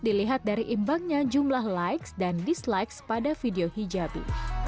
dilihat dari imbangnya jumlah likes dan dislikes pada video hijabi